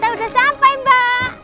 saya sudah sampai mbak